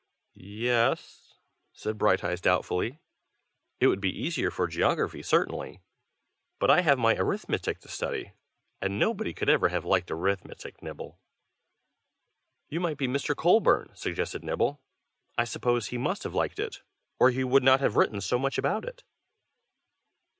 "Ye es," said Brighteyes, doubtfully. "It would be easier for geography, certainly. But I have my arithmetic to study, and nobody could ever have liked arithmetic, Nibble." "You might be Mr. Colburn," suggested Nibble. "I suppose he must have liked it, or he would not have written so much about it."